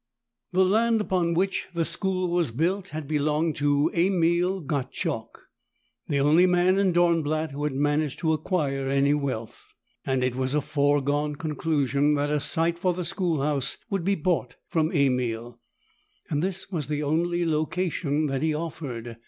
The land upon which the school was built had belonged to Emil Gottschalk, the only man in Dornblatt who had managed to acquire any wealth. It was a foregone conclusion that a site for the schoolhouse would be bought from Emil and this was the only location that he offered.